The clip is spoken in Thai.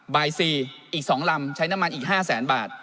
บ่ายสี่อีกสองลำใช้น้ำมันอีกห้าแสนบาท